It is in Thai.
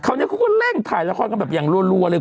เขาก็เร่งถ่ายละครกันแบบอย่างรัวเลย